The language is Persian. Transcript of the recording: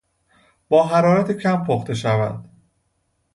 با حرارت کم پخته شود.